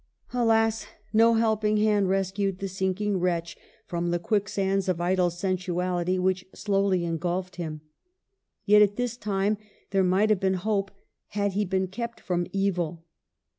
Alas, no helping hand rescued the sinking wretch from the quicksands of idle sensuality which slowly ingulfed him ! Yet, at this time, there might have been hope, had he been kept from evil.